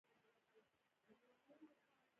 پامیر د افغان ماشومانو د لوبو یوه موضوع ده.